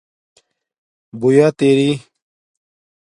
ُُبوُیت اری